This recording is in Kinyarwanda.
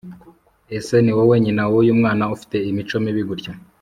Ese ni wowe nyina w’uyu mwana ufite imico mibi gutya?